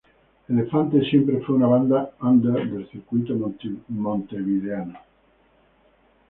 Elefante siempre fue una banda under del circuito montevideano.